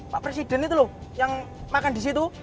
pak presiden itu loh yang makan disitu